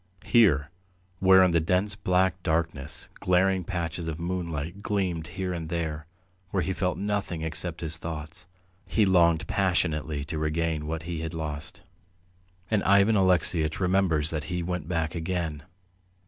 Here, where in the dense black darkness glaring patches of moonlight gleamed here and there, where he felt nothing except his thoughts, he longed passionately to regain what he had lost. And Ivan Alexeyitch remembers that he went back again.